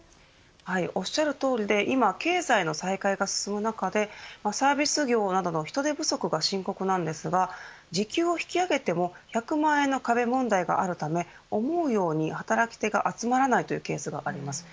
おっしゃるとおりで今経済の再開が進む中でサービス業などの人手不足が深刻なんですが時給を引き上げても１００万円の壁問題があるため思うように働き手が集まらないというケースもあります。